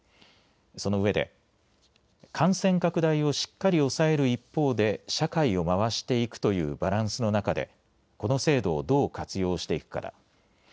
その上で感染拡大をしっかり抑える一方で社会を回していくというバランスの中でこの制度をどう活用していくかだ。